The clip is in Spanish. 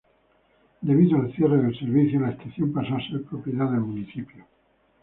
Debido al cierre del servicio, la estación pasó a ser propiedad del municipio.